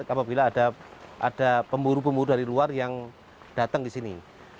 apabila ada pemburu pemburu dari luar yang datang di sini